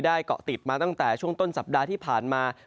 เกาะติดมาตั้งแต่ช่วงต้นสัปดาห์ที่ผ่านมา